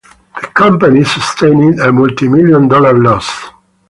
The company sustained a multimillion-dollar loss.